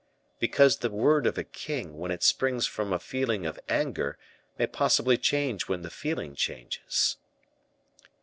"Because the word of a king, when it springs from a feeling of anger, may possibly change when the feeling changes."